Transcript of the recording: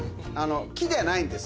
木じゃないんです。